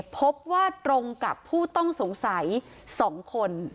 พบว่าตรงกับผู้ต้องสงสัย๒คน